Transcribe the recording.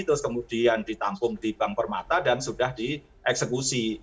terus kemudian ditampung di bank permata dan sudah dieksekusi